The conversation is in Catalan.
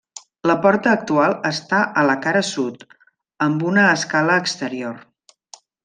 La porta actual està a la cara sud, amb una escala exterior.